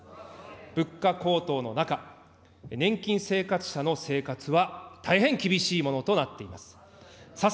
物価高騰の中、年金生活者の生活は大変厳しいものとなっています。